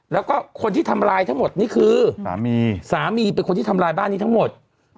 แล้วก็คนที่ทำลายทั้งหมดนี่คือสามีสามีเป็นคนที่ทำลายบ้านนี้ทั้งหมด